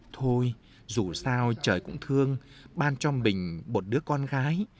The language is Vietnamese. thôi dù sao trời cũng thương ban cho mình một đứa con gái